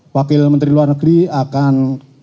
wakil menteri luar negeri akan